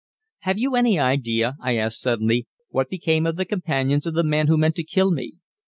"Have you any idea," I asked suddenly, "what became of the companions of the man who meant to kill me?"